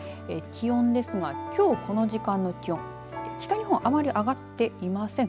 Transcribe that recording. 気温ですがきょう、この時間の気温北日本あまり上がっていません。